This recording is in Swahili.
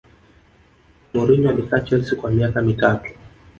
mourinho alikaa chelsea kwa miaka mitatu